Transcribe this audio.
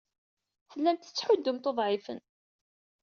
Tellamt tettḥuddumt uḍɛifen.